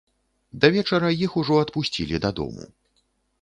Да вечара іх ужо адпусцілі дадому.